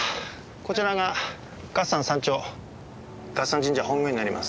こちらが月山山頂月山神社本宮になります。